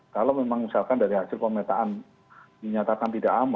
kalau memang misalkan dari hasil pemetaan dinyatakan tidak aman